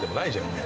もう。